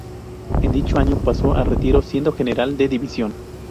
En dicho año pasó a retiro, siendo general de división.